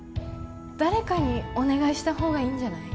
誰かにお願いした方がいいんじゃない？